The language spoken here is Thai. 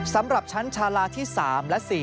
สำหรับชั้นชาลาที่๓และ๔